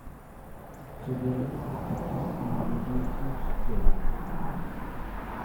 Ce dernier constitue une des deux sources de l'Aar.